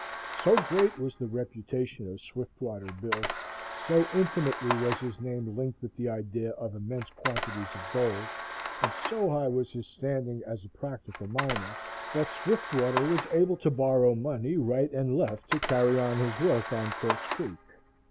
So great was the reputation of Swiftwater Bill so intimately was his name linked with the idea of immense quantities of gold and so high was his standing as a practical miner, that Swiftwater was able to borrow money right and left to carry on his work on Quartz Creek.